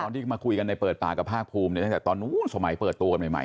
ตอนที่มาคุยในเปิดปากกับภาคพลวมเนี่ยอาจจะตอนนู้นสมัยเปิดตัวมาใหม่